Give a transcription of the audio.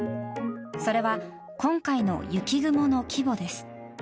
それは今回の雪雲の規模です。